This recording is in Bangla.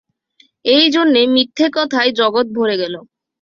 এই জন্যে মিথ্যে কথায় জগৎ ভরে গেল।